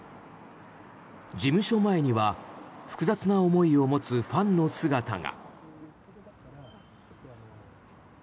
事務所前には複雑な思いを持つファンの姿が。